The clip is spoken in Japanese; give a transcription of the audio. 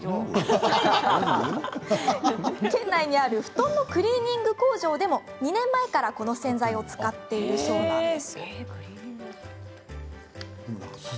県内にある布団のクリーニング工場でも２年前からこの洗剤を使っているそうです。